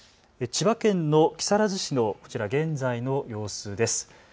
千葉県の木更津市のこちら、現在の様子です。